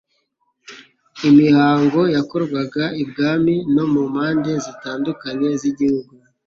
Imihango yakorwaga ibwami no mu mpande zitandukanye z'igihugu.